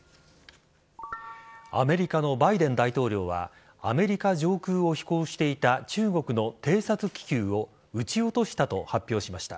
アメリカのバイデン大統領はアメリカ上空を飛行していた中国の偵察気球を撃ち落としたと発表しました。